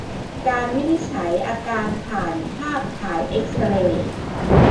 การวินิจฉัยอาการผ่านภาพถ่ายเอ็กซ์เรย์